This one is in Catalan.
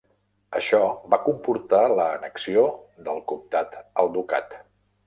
Això va comportar l'annexió del comtat al ducat.